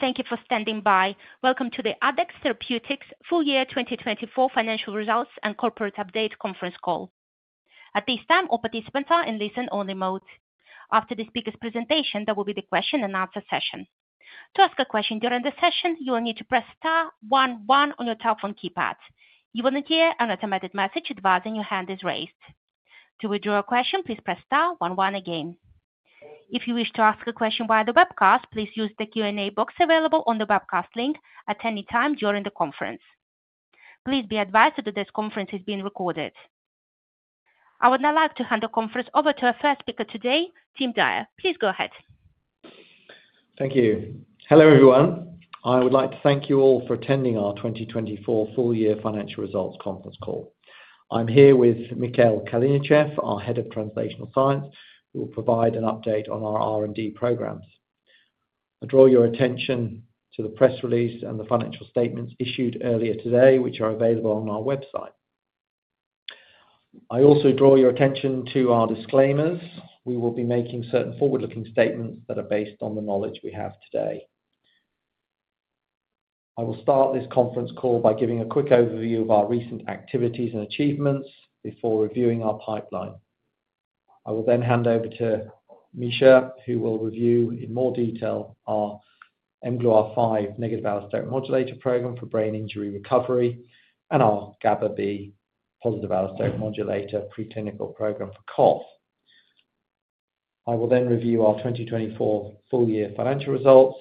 Thank you for standing by. Welcome to the Addex Therapeutics Full Year 2024 Financial Results and Corporate Update Conference Call. At this time, all participants are in listen-only mode. After the speaker's presentation, there will be the question-and-answer session. To ask a question during the session, you will need to press *11* on your telephone keypad. You will then hear an automated message advising your hand is raised. To withdraw a question, please press *11* again. If you wish to ask a question via the webcast, please use the Q&A box available on the webcast link at any time during the conference. Please be advised that this conference is being recorded. I would now like to hand the conference over to our first speaker today, Tim Dyer. Please go ahead. Thank you. Hello, everyone. I would like to thank you all for attending our 2024 Full Year Financial Results Conference Call. I'm here with Mikhail Kalinichev, our Head of Translational Science, who will provide an update on our R&D programs. I draw your attention to the press release and the financial statements issued earlier today, which are available on our website. I also draw your attention to our disclaimers. We will be making certain forward-looking statements that are based on the knowledge we have today. I will start this conference call by giving a quick overview of our recent activities and achievements before reviewing our pipeline. I will then hand over to Misha, who will review in more detail our mGluR5 negative allosteric modulator program for brain injury recovery and our GABAB positive allosteric modulator preclinical program for cough. I will then review our 2024 Full Year Financial Results.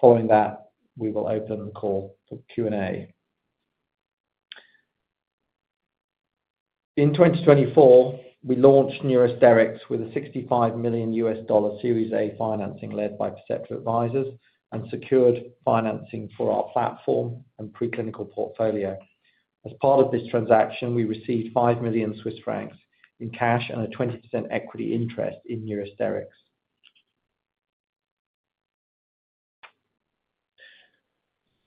Following that, we will open the call for Q&A. In 2024, we launched Neurosterix with a $65 million Series A financing led by Perceptive Advisors and secured financing for our platform and preclinical portfolio. As part of this transaction, we received 5 million Swiss francs in cash and a 20% equity interest in Neurosterix.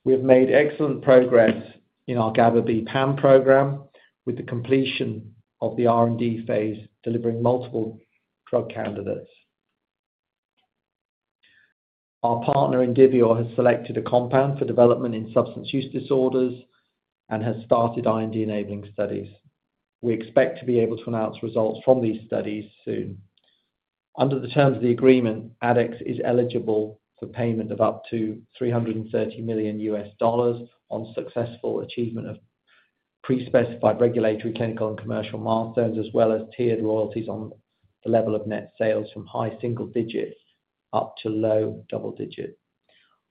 We have made excellent progress in our GABAB PAM program with the completion of the R&D phase, delivering multiple drug candidates. Our partner Indivior has selected a compound for development in substance use disorders and has started IND-enabling studies. We expect to be able to announce results from these studies soon. Under the terms of the agreement, Addex is eligible for payment of up to $330 million on successful achievement of pre-specified regulatory, clinical, and commercial milestones, as well as tiered royalties on the level of net sales from high single digits up to low double digits.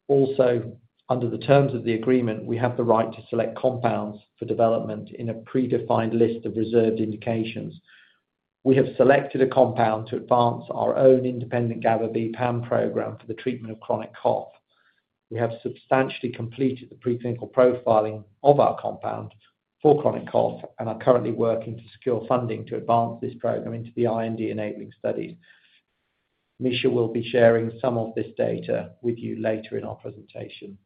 Also, under the terms of the agreement, we have the right to select compounds for development in a predefined list of reserved indications. We have selected a compound to advance our own independent GABAB PAM program for the treatment of chronic cough. We have substantially completed the preclinical profiling of our compound for chronic cough and are currently working to secure funding to advance this program into the IND-enabling studies. Misha will be sharing some of this data with you later in our presentation.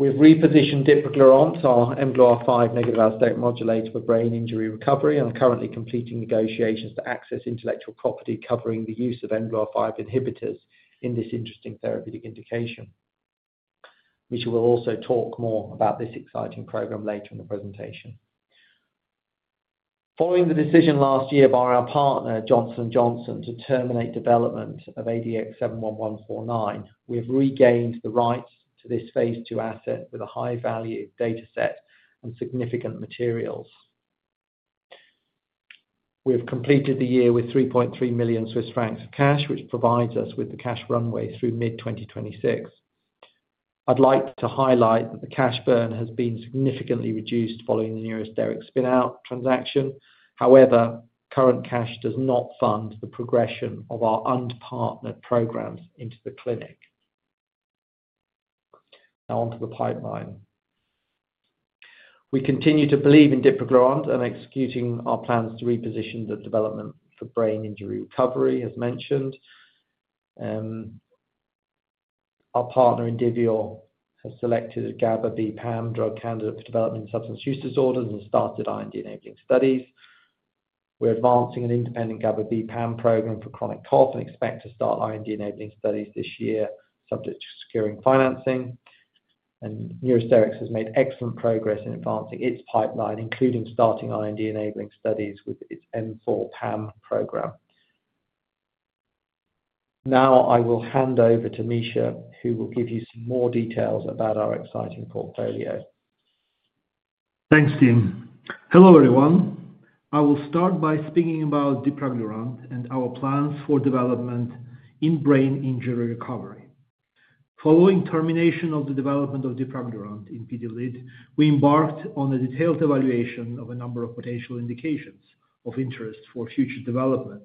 We've repositioned dipraglurant, our mGluR5 negative allosteric modulator for brain injury recovery, and are currently completing negotiations to access intellectual property covering the use of mGluR5 inhibitors in this interesting therapeutic indication. Misha will also talk more about this exciting program later in the presentation. Following the decision last year by our partner, Johnson & Johnson, to terminate development of ADX71149, we have regained the rights to this phase two asset with a high-value data set and significant materials. We have completed the year with 3.3 million Swiss francs of cash, which provides us with the cash runway through mid-2026. I'd like to highlight that the cash burn has been significantly reduced following the Neurosterix spin-out transaction. However, current cash does not fund the progression of our unpartnered programs into the clinic. Now, onto the pipeline. We continue to believe in dipraglurant and executing our plans to reposition the development for brain injury recovery, as mentioned. Our partner Indivior has selected a GABAB PAM drug candidate for development in substance use disorders and started IND-enabling studies. We are advancing an independent GABAB PAM program for chronic cough and expect to start IND-enabling studies this year, subject to securing financing. Neurosterix has made excellent progress in advancing its pipeline, including starting IND-enabling studies with its M4 PAM program. Now, I will hand over to Misha, who will give you some more details about our exciting portfolio. Thanks, Tim. Hello, everyone. I will start by speaking about dipraglurant and our plans for development in brain injury recovery. Following termination of the development of dipraglurant in PD-LID, we embarked on a detailed evaluation of a number of potential indications of interest for future development.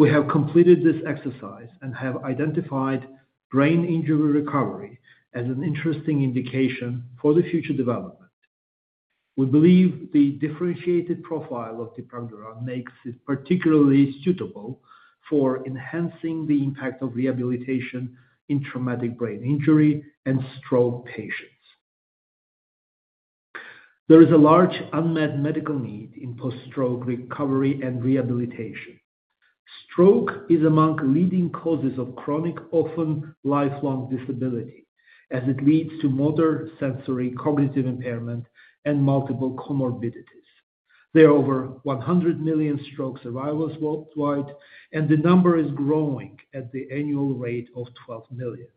We have completed this exercise and have identified brain injury recovery as an interesting indication for the future development. We believe the differentiated profile of dipraglurant makes it particularly suitable for enhancing the impact of rehabilitation in traumatic brain injury and stroke patients. There is a large unmet medical need in post-stroke recovery and rehabilitation. Stroke is among the leading causes of chronic, often lifelong disability, as it leads to motor, sensory, cognitive impairment and multiple comorbidities. There are over 100 million stroke survivors worldwide, and the number is growing at the annual rate of 12 million.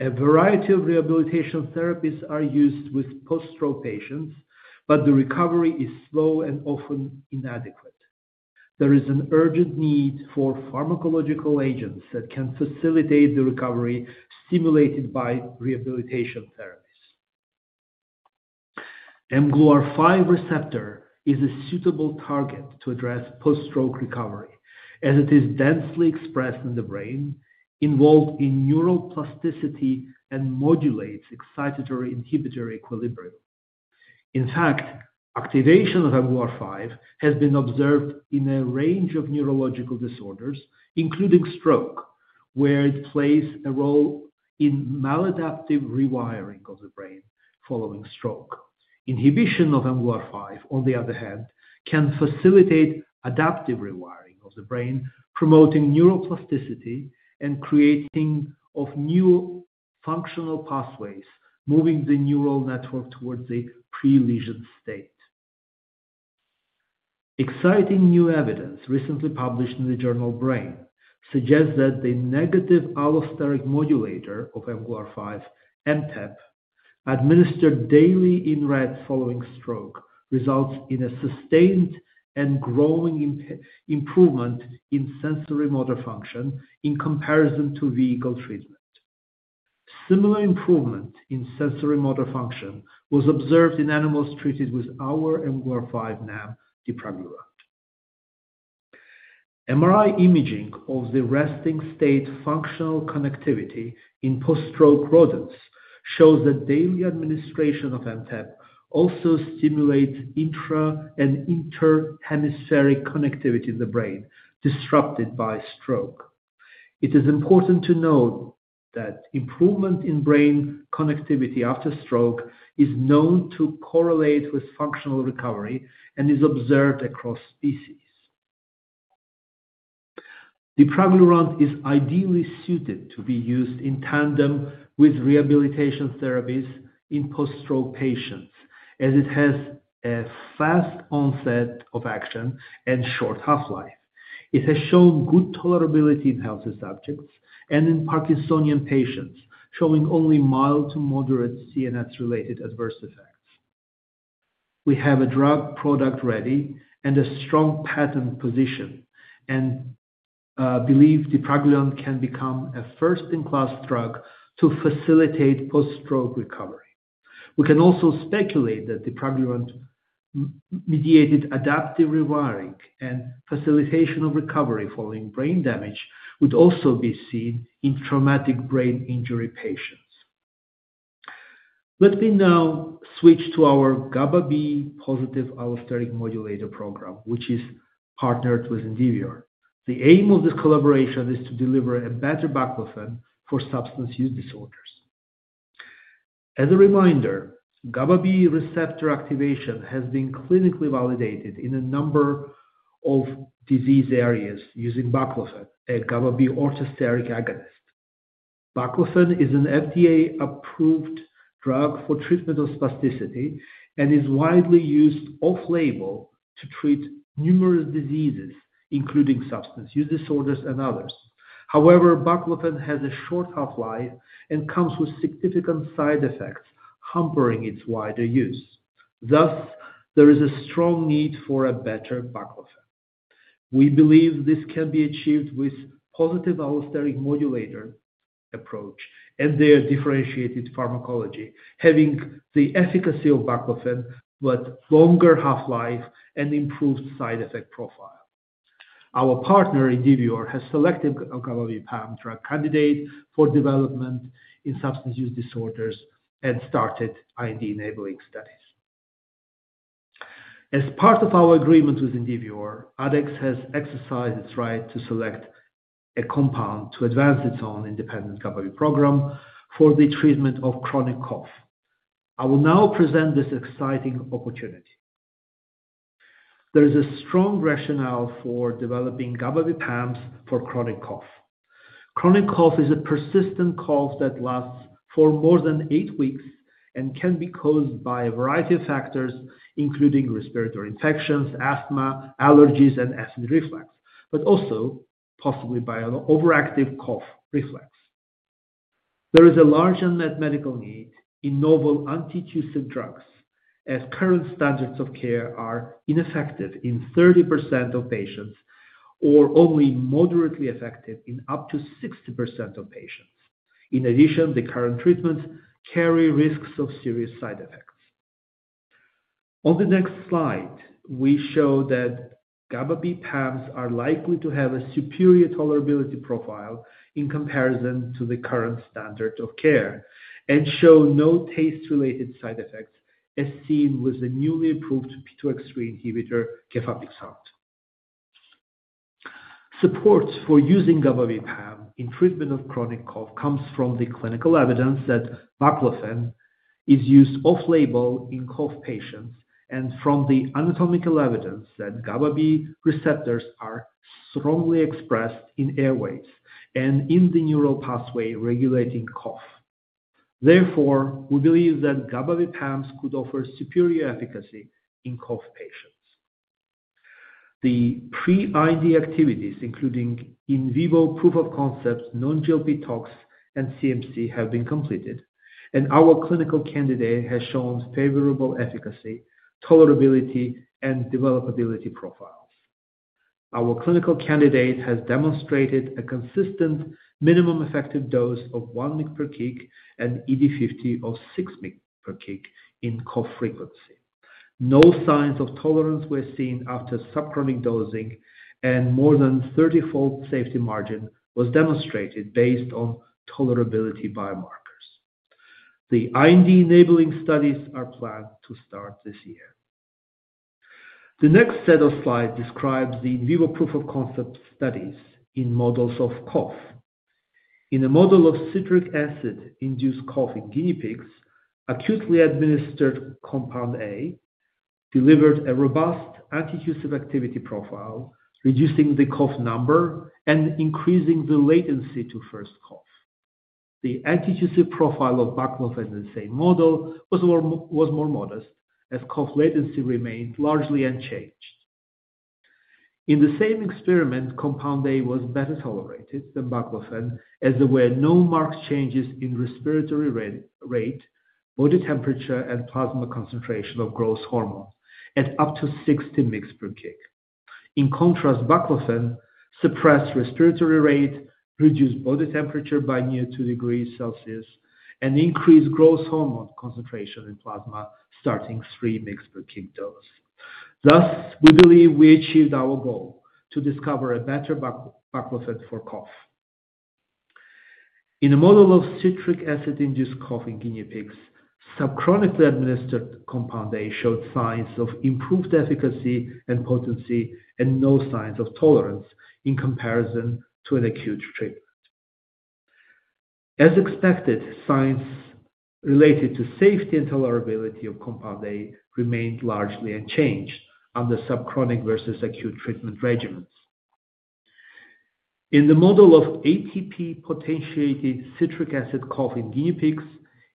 A variety of rehabilitation therapies are used with post-stroke patients, but the recovery is slow and often inadequate. There is an urgent need for pharmacological agents that can facilitate the recovery stimulated by rehabilitation therapies. mGluR5 receptor is a suitable target to address post-stroke recovery, as it is densely expressed in the brain, involved in neuroplasticity, and modulates excitatory inhibitor equilibrium. In fact, activation of mGluR5 has been observed in a range of neurological disorders, including stroke, where it plays a role in maladaptive rewiring of the brain following stroke. Inhibition of mGluR5, on the other hand, can facilitate adaptive rewiring of the brain, promoting neuroplasticity and creating new functional pathways, moving the neural network towards a pre-lesion state. Exciting new evidence recently published in the journal Brain suggests that the negative allosteric modulator of mGluR5, MTEP, administered daily in red following stroke, results in a sustained and growing improvement in sensory motor function in comparison to vehicle treatment. Similar improvement in sensory motor function was observed in animals treated with our mGluR5 NAM dipraglurant. MRI imaging of the resting state functional connectivity in post-stroke rodents shows that daily administration of MTEP also stimulates intra- and interhemispheric connectivity in the brain disrupted by stroke. It is important to note that improvement in brain connectivity after stroke is known to correlate with functional recovery and is observed across species. Dipraglurant is ideally suited to be used in tandem with rehabilitation therapies in post-stroke patients, as it has a fast onset of action and short half-life. It has shown good tolerability in healthy subjects and in Parkinsonian patients, showing only mild to moderate CNS-related adverse effects. We have a drug product ready and a strong patent position and believe dipraglurant can become a first-in-class drug to facilitate post-stroke recovery. We can also speculate that dipraglurant-mediated adaptive rewiring and facilitation of recovery following brain damage would also be seen in traumatic brain injury patients. Let me now switch to our GABAB positive allosteric modulator program, which is partnered with Indivior. The aim of this collaboration is to deliver a better baclofen for substance use disorders. As a reminder, GABAB receptor activation has been clinically validated in a number of disease areas using baclofen, a GABAB orthosteric agonist. Baclofen is an FDA-approved drug for treatment of spasticity and is widely used off-label to treat numerous diseases, including substance use disorders and others. However, baclofen has a short half-life and comes with significant side effects, hampering its wider use. Thus, there is a strong need for a better baclofen. We believe this can be achieved with a positive allosteric modulator approach and their differentiated pharmacology, having the efficacy of baclofen, but longer half-life and improved side effect profile. Our partner Indivior has selected a GABAB PAM drug candidate for development in substance use disorders and started IND-enabling studies. As part of our agreement with Indivior, Addex has exercised its right to select a compound to advance its own independent GABAB program for the treatment of chronic cough. I will now present this exciting opportunity. There is a strong rationale for developing GABAB PAMs for chronic cough. Chronic cough is a persistent cough that lasts for more than eight weeks and can be caused by a variety of factors, including respiratory infections, asthma, allergies, and acid reflux, but also possibly by an overactive cough reflex. There is a large unmet medical need in novel anti-tussive drugs, as current standards of care are ineffective in 30% of patients or only moderately effective in up to 60% of patients. In addition, the current treatments carry risks of serious side effects. On the next slide, we show that GABAB PAMs are likely to have a superior tolerability profile in comparison to the current standard of care and show no taste-related side effects, as seen with the newly approved P2X3 inhibitor, gefapixant. Support for using GABAB PAM in treatment of chronic cough comes from the clinical evidence that baclofen is used off-label in cough patients and from the anatomical evidence that GABAB receptors are strongly expressed in airways and in the neural pathway regulating cough. Therefore, we believe that GABAB PAMs could offer superior efficacy in cough patients. The pre-IND activities, including in vivo proof of concept, non-GLP tox, and CMC, have been completed, and our clinical candidate has shown favorable efficacy, tolerability, and developability profiles. Our clinical candidate has demonstrated a consistent minimum effective dose of 1 mg per kg and ED50 of 6 mg per kg in cough frequency. No signs of tolerance were seen after subchronic dosing, and more than 30-fold safety margin was demonstrated based on tolerability biomarkers. The IND-enabling studies are planned to start this year. The next set of slides describes the in vivo proof of concept studies in models of cough. In a model of citric acid-induced cough in guinea pigs, acutely administered compound A delivered a robust anti-tussive activity profile, reducing the cough number and increasing the latency to first cough. The anti-tussive profile of baclofen in the same model was more modest, as cough latency remained largely unchanged. In the same experiment, compound A was better tolerated than baclofen, as there were no marked changes in respiratory rate, body temperature, and plasma concentration of growth hormone at up to 60 mg per kg. In contrast, baclofen suppressed respiratory rate, reduced body temperature by near 2 degrees Celsius, and increased growth hormone concentration in plasma starting 3 mg per kg dose. Thus, we believe we achieved our goal to discover a better baclofen for cough. In a model of citric acid-induced cough in guinea pigs, subchronically administered compound A showed signs of improved efficacy and potency and no signs of tolerance in comparison to an acute treatment. As expected, signs related to safety and tolerability of compound A remained largely unchanged under subchronic versus acute treatment regimens. In the model of ATP-potentiated citric acid cough in guinea pigs,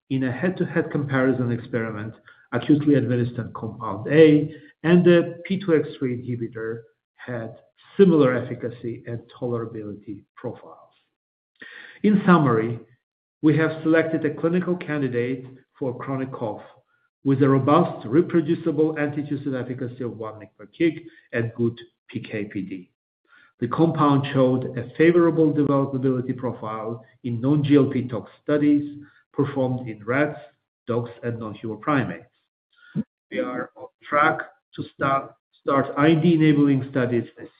in a head-to-head comparison experiment, acutely administered compound A and the P2X3 inhibitor had similar efficacy and tolerability profiles. In summary, we have selected a clinical candidate for chronic cough with a robust reproducible anti-tussive efficacy of 1 mg per kg and good PKPD. The compound showed a favorable developability profile in non-GLP tox studies performed in rats, dogs, and non-human primates. We are on track to start IND-enabling studies this year. This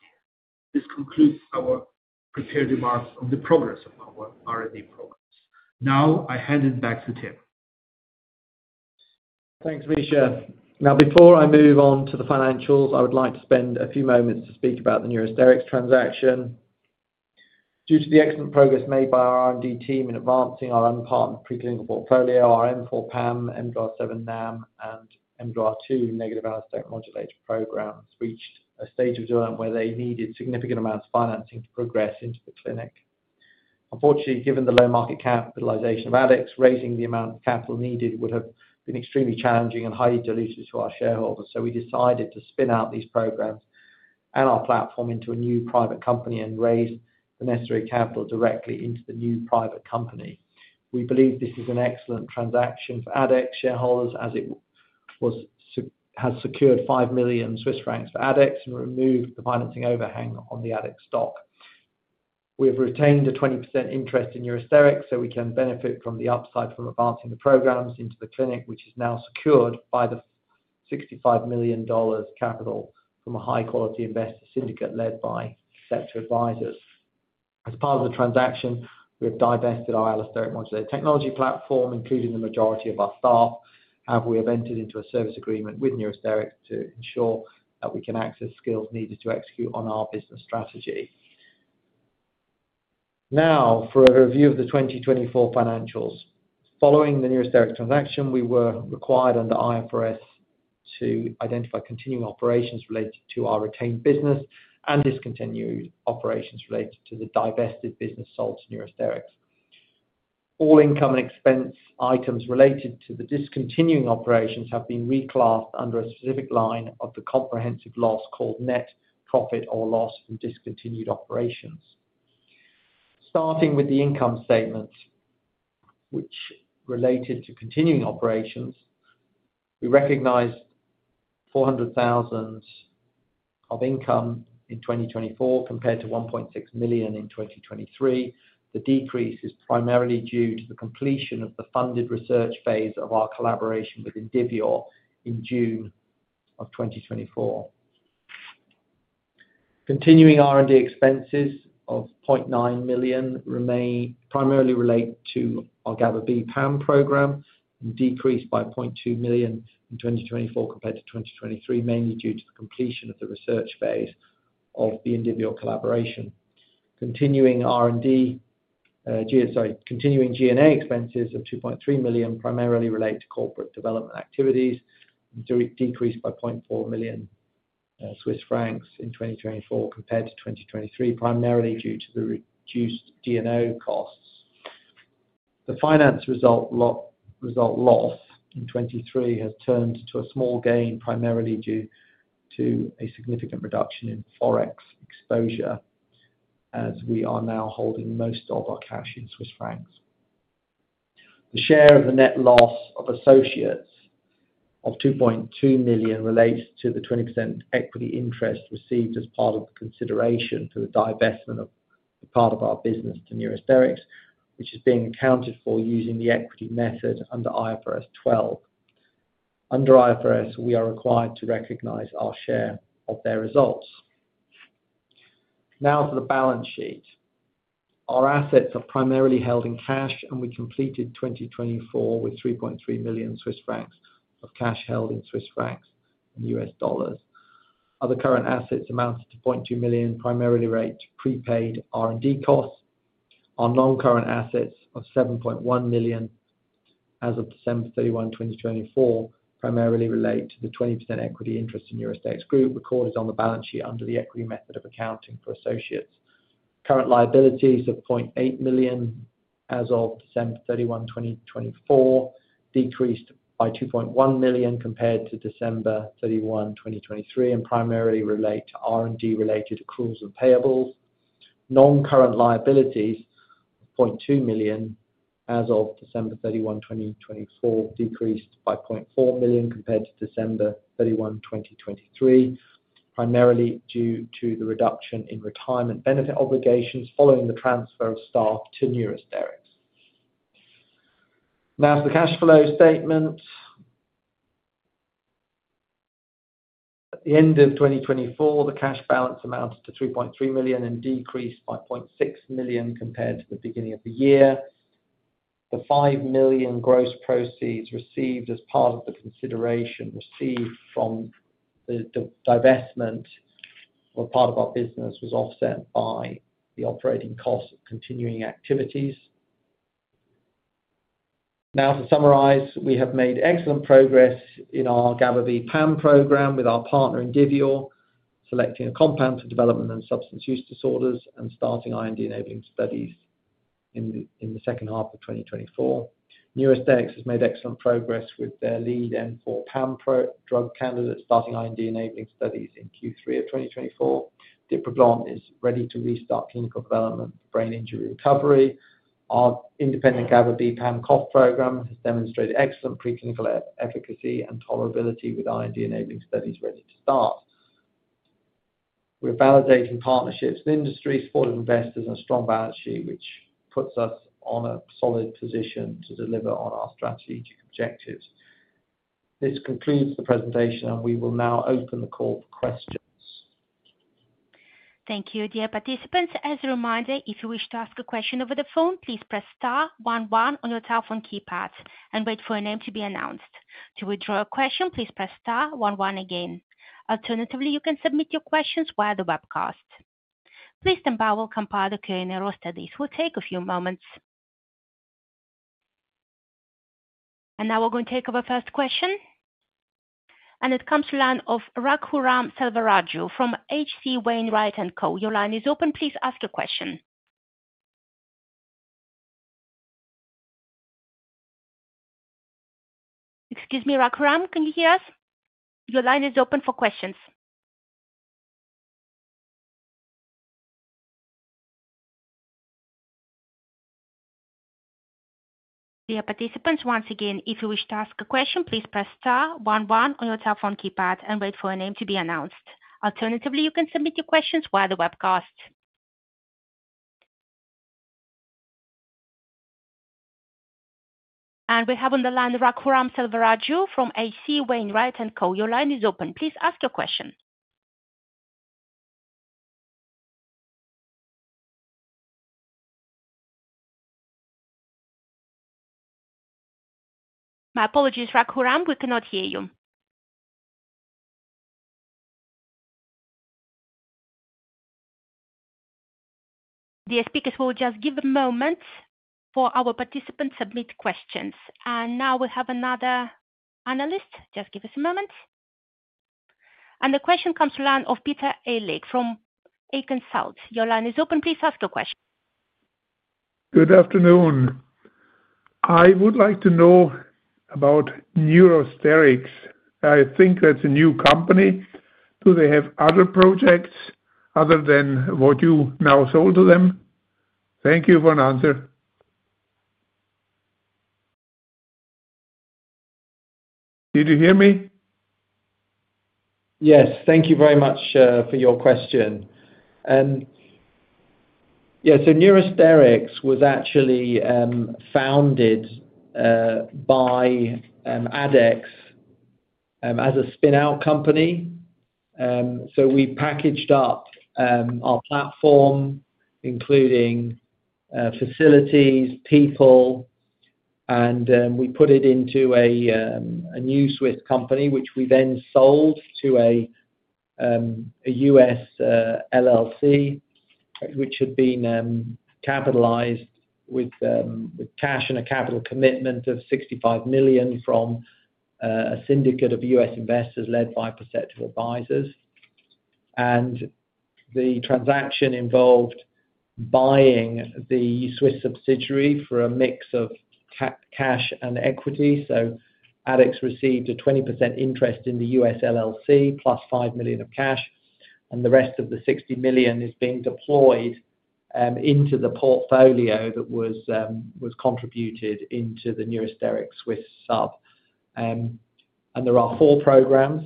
concludes our prepared remarks on the progress of our R&D programs. Now, I hand it back to Tim. Thanks, Misha. Now, before I move on to the financials, I would like to spend a few moments to speak about the Neurosterix transaction. Due to the excellent progress made by our R&D team in advancing our unpartnered preclinical portfolio, our M4 PAM, mGluR7 NAM, and mGluR2 negative allosteric modulator programs reached a stage of development where they needed significant amounts of financing to progress into the clinic. Unfortunately, given the low market capitalization of Addex, raising the amount of capital needed would have been extremely challenging and highly dilutive to our shareholders. We decided to spin out these programs and our platform into a new private company and raise the necessary capital directly into the new private company. We believe this is an excellent transaction for Addex shareholders, as it has secured 5 million Swiss francs for Addex and removed the financing overhang on the Addex stock. We have retained a 20% interest in Neurosterix, so we can benefit from the upside from advancing the programs into the clinic, which is now secured by the $65 million capital from a high-quality investor syndicate led by Perceptive Advisors. As part of the transaction, we have divested our allosteric modulator technology platform, including the majority of our staff, and we have entered into a service agreement with Neurosterix to ensure that we can access skills needed to execute on our business strategy. Now, for a review of the 2024 financials. Following the Neurosterix transaction, we were required under IFRS to identify continuing operations related to our retained business and discontinued operations related to the divested business sold to Neurosterix. All income and expense items related to the discontinuing operations have been reclassed under a specific line of the comprehensive loss called net profit or loss from discontinued operations. Starting with the income statement, which related to continuing operations, we recognized 400,000 of income in 2024 compared to 1.6 million in 2023. The decrease is primarily due to the completion of the funded research phase of our collaboration with Indivior in June of 2024. Continuing R&D expenses of 0.9 million primarily relate to our GABAB PAM program, decreased by 0.2 million in 2024 compared to 2023, mainly due to the completion of the research phase of the Indivior collaboration. Continuing R&D, sorry, continuing G&A expenses of 2.3 million primarily relate to corporate development activities, decreased by 0.4 million Swiss francs in 2024 compared to 2023, primarily due to the reduced G&A costs. The finance result loss in 2023 has turned into a small gain, primarily due to a significant reduction in Forex exposure, as we are now holding most of our cash in Swiss francs. The share of the net loss of associates of 2.2 million relates to the 20% equity interest received as part of the consideration for the divestment of part of our business to Neurosterix, which is being accounted for using the equity method under IFRS 12. Under IFRS, we are required to recognize our share of their results. Now, for the balance sheet. Our assets are primarily held in cash, and we completed 2024 with 3.3 million Swiss francs of cash held in Swiss francs and US dollars. Other current assets amounted to 0.2 million, primarily relate to prepaid R&D costs. Our non-current assets of 7.1 million as of December 31, 2024, primarily relate to the 20% equity interest in Neurosterix Group recorded on the balance sheet under the equity method of accounting for associates. Current liabilities of 0.8 million as of December 31, 2024, decreased by 2.1 million compared to December 31, 2023, and primarily relate to R&D-related accruals and payables. Non-current liabilities of 0.2 million as of December 31, 2024, decreased by 0.4 million compared to December 31, 2023, primarily due to the reduction in retirement benefit obligations following the transfer of staff to Neurosterix. Now, for the cash flow statement. At the end of 2024, the cash balance amounted to 3.3 million and decreased by 0.6 million compared to the beginning of the year. The 5 million gross proceeds received as part of the consideration received from the divestment or part of our business was offset by the operating costs of continuing activities. Now, to summarize, we have made excellent progress in our GABAB PAM program with our partner Indivior, selecting a compound for development in substance use disorders and starting IND-enabling studies in the second half of 2024. Neurosterix has made excellent progress with their lead M4 PAM drug candidate, starting IND-enabling studies in Q3 of 2024. Dipraglurant is ready to restart clinical development for brain injury recovery. Our independent GABAB PAM cough program has demonstrated excellent preclinical efficacy and tolerability with IND-enabling studies ready to start. We're validating partnerships with industry, supported investors, and a strong balance sheet, which puts us in a solid position to deliver on our strategic objectives. This concludes the presentation, and we will now open the call for questions. Thank you, dear participants. As a reminder, if you wish to ask a question over the phone, please press star 11 on your telephone keypad and wait for a name to be announced. To withdraw a question, please press star 11 again. Alternatively, you can submit your questions via the webcast. Please stand by while we compile the Q&A roll studies. It will take a few moments. We are going to take our first question. It comes to the line of Raghuram Selvaraju from HC Wainwright & Co. Your line is open. Please ask your question. Excuse me, Raghuram, can you hear us? Your line is open for questions. Dear participants, once again, if you wish to ask a question, please press star 11 on your telephone keypad and wait for a name to be announced. Alternatively, you can submit your questions via the webcast. We have on the line Raghuram Selvaraju from HC Wainwright & Co. Your line is open. Please ask your question. My apologies, Raghuram, we cannot hear you. Dear speakers, we will just give a moment for our participants to submit questions. We have another analyst. Just give us a moment. The question comes to the line of Peter Alig from A-consult. Your line is open. Please ask your question. Good afternoon. I would like to know about Neurosterix. I think that's a new company. Do they have other projects other than what you now sold to them? Thank you for an answer. Did you hear me? Yes. Thank you very much for your question. Yeah, so Neurosterix was actually founded by Addex as a spin-out company. We packaged up our platform, including facilities, people, and we put it into a new Swiss company, which we then sold to a U.S. LLC, which had been capitalized with cash and a capital commitment of $65 million from a syndicate of U.S. investors led by Perceptive Advisors. The transaction involved buying the Swiss subsidiary for a mix of cash and equity. Addex received a 20% interest in the U.S. LLC plus $5 million of cash, and the rest of the $60 million is being deployed into the portfolio that was contributed into the Neurosterix Swiss sub. There are four programs.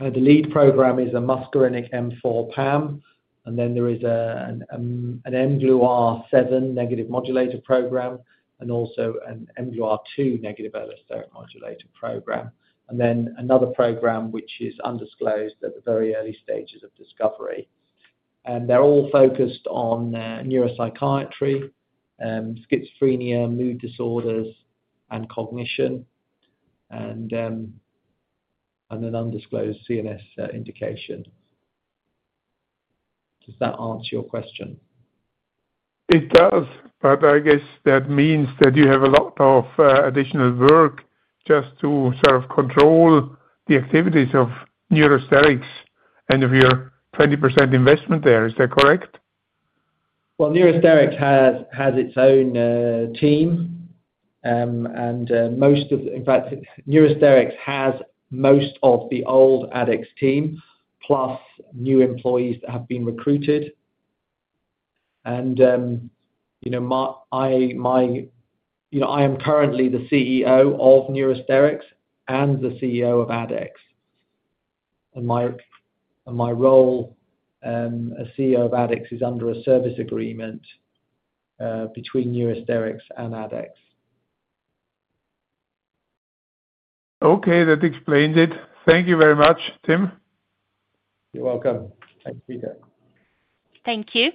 The lead program is a muscarinic M4 PAM, and then there is an mGlu7 negative modulator program, and also an mGlu2 negative allosteric modulator program, and then another program which is undisclosed at the very early stages of discovery. They are all focused on neuropsychiatry, schizophrenia, mood disorders, and cognition, and an undisclosed CNS indication. Does that answer your question? It does, but I guess that means that you have a lot of additional work just to sort of control the activities of Neurosterix and of your 20% investment there. Is that correct? Neurosterix has its own team, and most of, in fact, Neurosterix has most of the old Addex team plus new employees that have been recruited. I am currently the CEO of Neurosterix and the CEO of Addex. My role as CEO of Addex is under a service agreement between Neurosterix and Addex. Okay, that explains it. Thank you very much, Tim. You're welcome. Thanks, Peter. Thank you.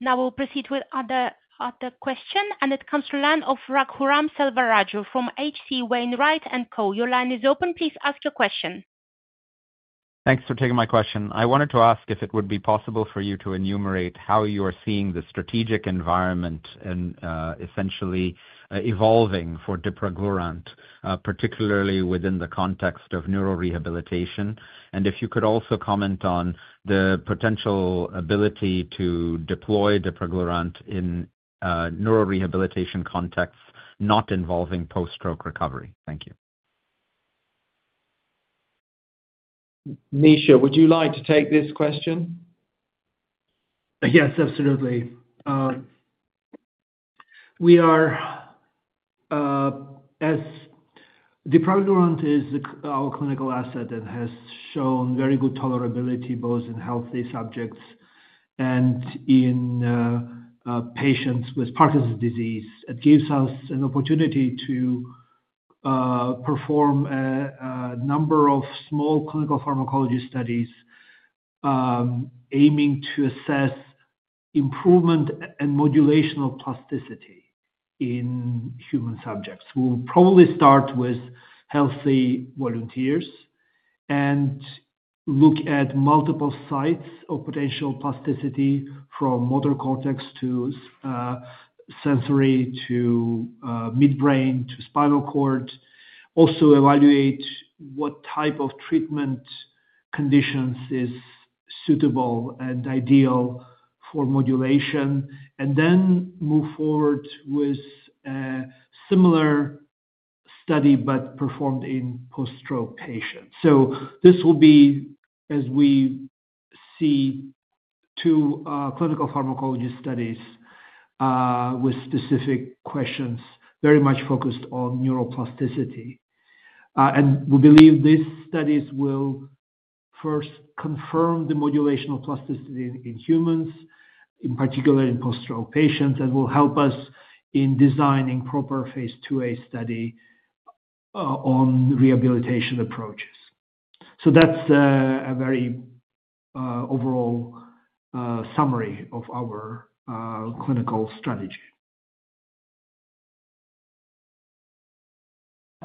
Now we'll proceed with other questions, and it comes to the line of Raghuram Selvaraju from HC Wainwright & Co. Your line is open. Please ask your question. Thanks for taking my question. I wanted to ask if it would be possible for you to enumerate how you are seeing the strategic environment essentially evolving for dipraglurant, particularly within the context of neurorehabilitation, and if you could also comment on the potential ability to deploy dipraglurant in neurorehabilitation contexts not involving post-stroke recovery. Thank you. Misha, would you like to take this question? Yes, absolutely. Dipraglurant is our clinical asset that has shown very good tolerability both in healthy subjects and in patients with Parkinson's disease. It gives us an opportunity to perform a number of small clinical pharmacology studies aiming to assess improvement and modulation of plasticity in human subjects. We'll probably start with healthy volunteers and look at multiple sites of potential plasticity from motor cortex to sensory to midbrain to spinal cord. Also evaluate what type of treatment conditions is suitable and ideal for modulation, and then move forward with a similar study but performed in post-stroke patients. This will be, as we see, two clinical pharmacology studies with specific questions very much focused on neuroplasticity. We believe these studies will first confirm the modulation of plasticity in humans, in particular in post-stroke patients, and will help us in designing proper phase IIa study on rehabilitation approaches. That's a very overall summary of our clinical strategy.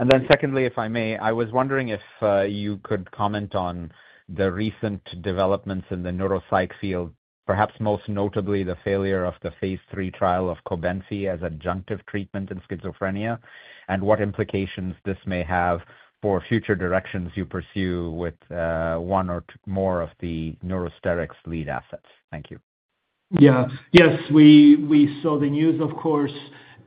If I may, I was wondering if you could comment on the recent developments in the neuropsych field, perhaps most notably the failure of the phase III trial of Cobenfy adjunctive treatment in schizophrenia, and what implications this may have for future directions you pursue with one or more of the Neurosterix lead assets. Thank you. Yeah. Yes, we saw the news, of course,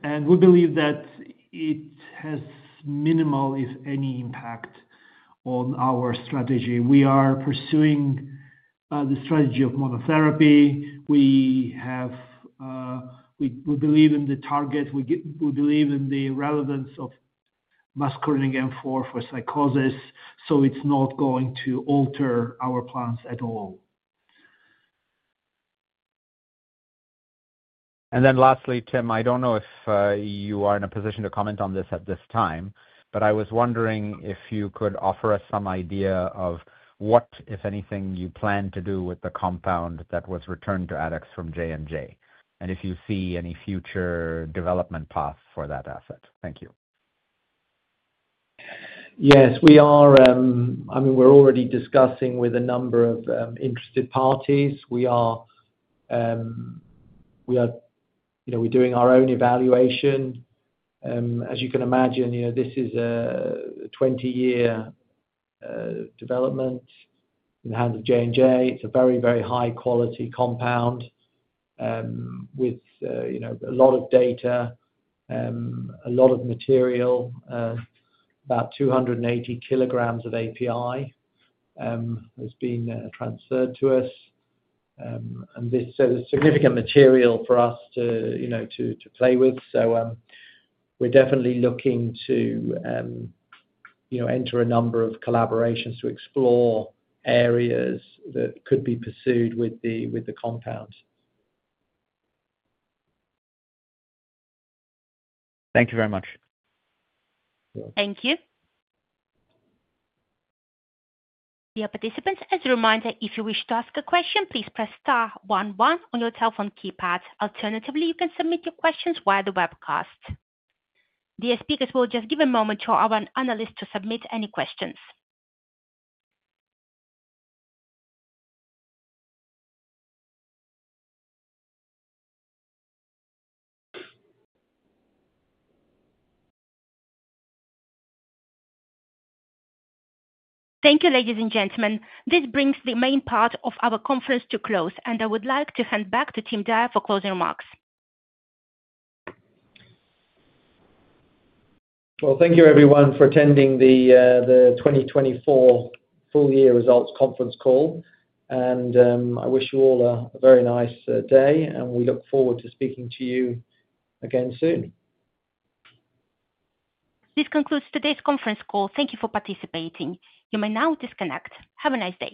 and we believe that it has minimal, if any, impact on our strategy. We are pursuing the strategy of monotherapy. We believe in the target. We believe in the relevance of muscarinic M4 for psychosis, so it's not going to alter our plans at all. Lastly, Tim, I do not know if you are in a position to comment on this at this time, but I was wondering if you could offer us some idea of what, if anything, you plan to do with the compound that was returned to Addex from J&J, and if you see any future development path for that asset. Thank you. Yes, we are. I mean, we're already discussing with a number of interested parties. We are doing our own evaluation. As you can imagine, this is a 20-year development in the hands of J&J. It's a very, very high-quality compound with a lot of data, a lot of material, about 280 kg of API has been transferred to us. This is significant material for us to play with. We're definitely looking to enter a number of collaborations to explore areas that could be pursued with the compound. Thank you very much. Thank you. Dear participants, as a reminder, if you wish to ask a question, please press star 11 on your telephone keypad. Alternatively, you can submit your questions via the webcast. Dear speakers, we'll just give a moment to our analyst to submit any questions. Thank you, ladies and gentlemen. This brings the main part of our conference to a close, and I would like to hand back to Tim Dyer for closing remarks. Thank you, everyone, for attending the 2024 Full Year Results Conference Call. I wish you all a very nice day, and we look forward to speaking to you again soon. This concludes today's conference call. Thank you for participating. You may now disconnect. Have a nice day.